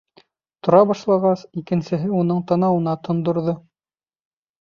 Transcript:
Тора башлағас, икенсеһе уның танауына тондорҙо.